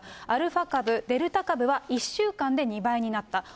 アルファ株、デルタ株は１週間で２倍になった。